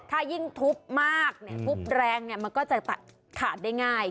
ถ้ายิ่งทุบมากทุบแรงมันก็จะขาดได้ง่าย